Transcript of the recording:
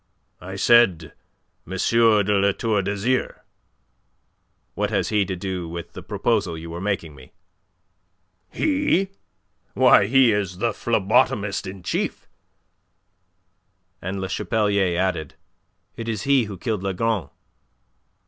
"I said M. de La Tour d'Azyr." "What has he to do with the proposal you were making me?" "He? Why, he is the phlebotomist in chief." And Le Chapelier added. "It is he who killed Lagron."